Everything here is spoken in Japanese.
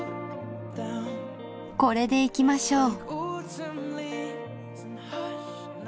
これでいきましょう。